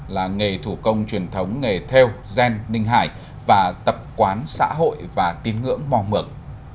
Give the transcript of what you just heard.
là nghề thủ công truyền thống nghề theo gen ninh hải và tập quán xã hội và tín ngưỡng mò mường